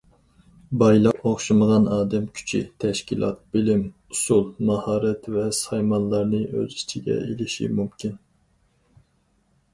بايلىق ئوخشىمىغان ئادەم كۈچى، تەشكىلات، بىلىم، ئۇسۇل، ماھارەت ۋە سايمانلارنى ئۆز ئىچىگە ئېلىشى مۇمكىن.